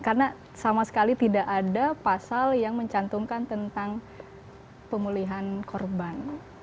karena sama sekali tidak ada pasal yang mencantumkan tentang pemulihan korban